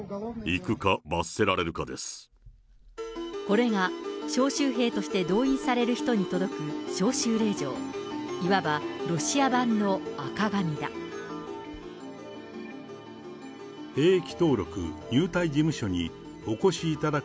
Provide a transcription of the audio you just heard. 行くか、これが、招集兵として動員される人に届く招集令状、いわばロシア版の赤紙だ。